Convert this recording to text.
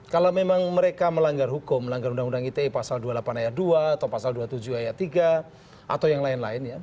kalau memang mereka melanggar hukum melanggar undang undang ite pasal dua puluh delapan ayat dua atau pasal dua puluh tujuh ayat tiga atau yang lain lain ya